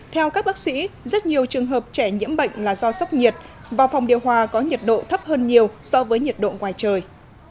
theo các bác sĩ rất nhiều trường hợp trẻ nhiễm bệnh là do sốc nhiệt vào phòng điều hòa có nhiệt độ thấp hơn nhiều so với nhiệt độ ngoài trời